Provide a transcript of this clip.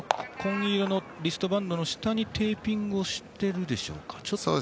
リストバンドの下にテーピングをしてるでしょうか。